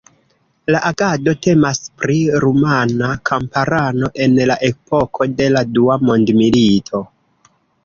La agado temas pri rumana kamparano en la epoko de la Dua Mondmilito.